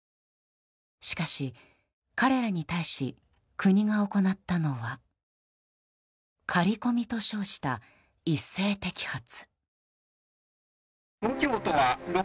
しかし、彼らに対し国が行ったのは狩り込みと称した一斉摘発。